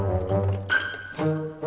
modern liar tv nya pake